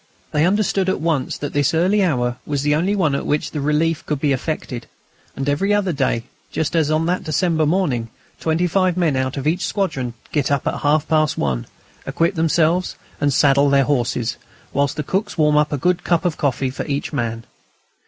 They understood at once that this early hour was the only one at which the relief could be effected. And every other day, just as on that December morning, twenty five men out of each squadron get up at half past one, equip themselves, and saddle their horses, whilst the cooks warm up a good cup of coffee for each man.